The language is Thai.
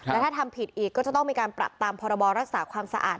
และถ้าทำผิดอีกก็จะต้องมีการปรับตามพรบรักษาความสะอาด